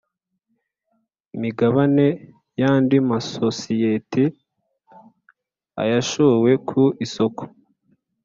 migabane y andi masosiyete ayashowe ku isoko